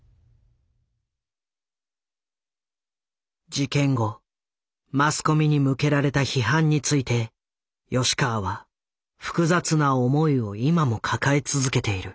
事件後マスコミに向けられた批判について吉川は複雑な思いを今も抱え続けている。